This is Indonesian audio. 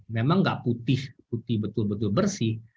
memang tidak putih putih betul betul bersih